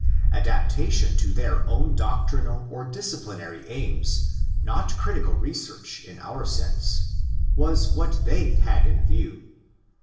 Adaptation to their own doctrinal or disciplinary aims, not critical research in our sense, was what they had in view.